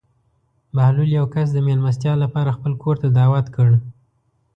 بهلول یو کس د مېلمستیا لپاره خپل کور ته دعوت کړ.